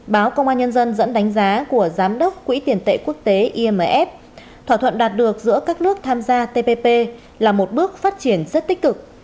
báo công an nhân dân dẫn đánh giá của giám đốc quỹ tiền tệ quốc tế imf thỏa thuận đạt được giữa các nước tham gia tpp là một bước phát triển rất tích cực